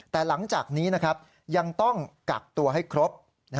แต่หลังจากนี้ยังต้องกักตัวให้ครบ